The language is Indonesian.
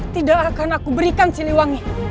tidak akan aku berikan cili wangi